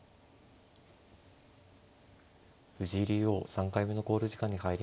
藤井竜王３回目の考慮時間に入りました。